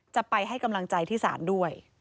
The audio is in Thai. จะไปให้กำลังใจที่ศาลด้วย